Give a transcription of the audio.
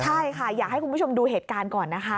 ใช่ค่ะอยากให้คุณผู้ชมดูเหตุการณ์ก่อนนะคะ